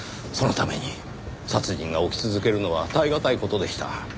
そのために殺人が起き続けるのは耐えがたい事でした。